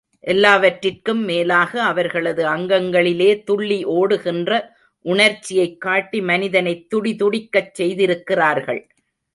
எல்லாவற்றிற்கும் மேலாக அவர்களது அங்கங்களிலே துள்ளி ஓடுகின்ற உணர்ச்சியைக் காட்டி மனிதனைத் துடிதுடிக்கச் செய்திருக்கிறார்கள்.